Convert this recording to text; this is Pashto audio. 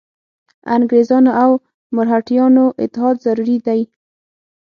انګرېزانو او مرهټیانو اتحاد ضروري دی.